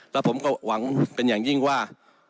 แล้วผมก็หวังเป็นอย่างยิ่งว่า